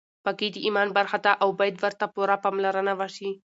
پاکي د ایمان برخه ده او باید ورته پوره پاملرنه وشي.